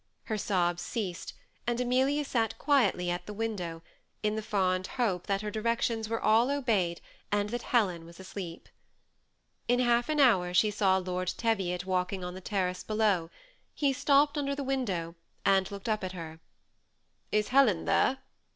Her sobs ceased; and Amelia sat quietly at the window, in the fond hope that her directions were all obeyed, and that Helen was asleep. In half an hour she saw Lord Teviot walking on the terrace below ; he stopped under the window, and looked up at her. " Is Helen there